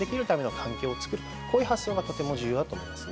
こういう発想がとても重要だと思いますね。